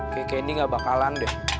kayak ini gak bakalan deh